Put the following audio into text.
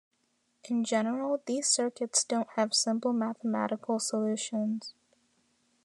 In general these circuits don't have simple mathematical solutions.